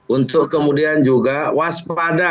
untuk kemudian juga waspada